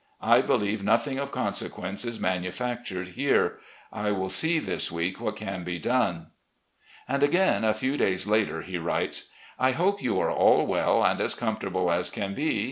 I believe nothing of consequence is manufactured here. I will see this week what can be done. ..." And again, a few days later, he writes :"... I hope you are all well, and as comfortable as can be.